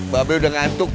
babel udah ngantuk